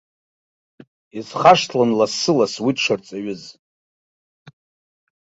Исхашҭлон лассы-ласс уи дшырҵаҩыз.